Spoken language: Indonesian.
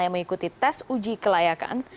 yang mengikuti tes uji kelayakan